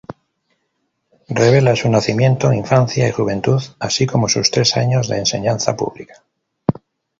Revela su nacimiento, infancia y juventud, así como sus tres años de enseñanza pública.